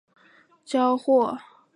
我们要四小时内交货